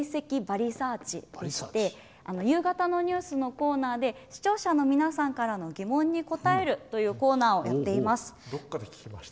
バリサーチ」でして夕方のニュースのコーナーで視聴者の皆さんからの疑問に答えるというコーナーをやっています。